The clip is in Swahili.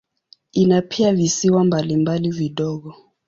Ina pia visiwa mbalimbali vidogo.